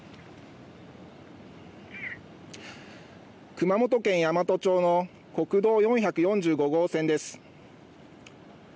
熊本県山都町の国道４４５号線です。